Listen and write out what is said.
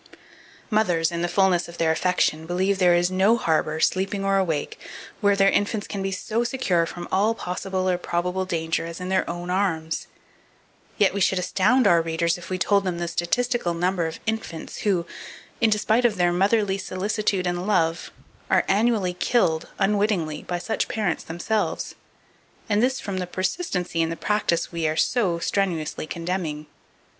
2471. Mothers, in the fullness of their affection, believe there is no harbour, sleeping or awake, where their infants can be so secure from all possible or probable danger as in their own arms; yet we should astound our readers if we told them the statistical number of infants who, in despite of their motherly solicitude and love, are annually killed, unwittingly, by such parents themselves, and this from the persistency in the practice we are so strenuously condemning.